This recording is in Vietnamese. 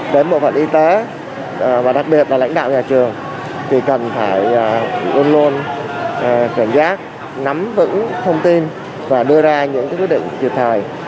đến bộ phận y tế và đặc biệt là lãnh đạo nhà trường thì cần phải luôn luôn cảnh giác nắm vững thông tin và đưa ra những quyết định kịp thời